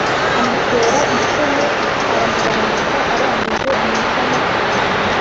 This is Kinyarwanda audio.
amutera icumu aramurambika arangije amucamo kabiri